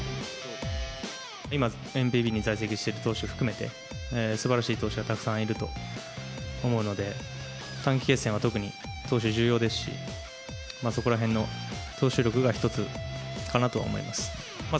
今、ＮＰＢに在籍している投手含めて、すばらしい投手がたくさんいると思うので、短期決戦は特に投手、重要ですし、そこらへんの投手力が一つかなとは思います。